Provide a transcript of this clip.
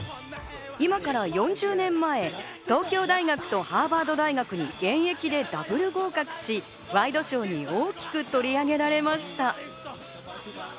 今から４０年前、東京大学とハーバード大学に現役でダブル合格し、ワイドショーに大きく取り上げられました。